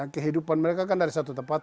kehidupan mereka kan dari satu tempat